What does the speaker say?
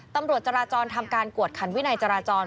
ตำรวจจราจรทำการกวดขันวินัยจราจร